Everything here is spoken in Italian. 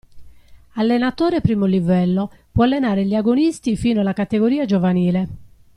Allenatore I° livello, può allenare gli agonisti fino alla categoria giovanile.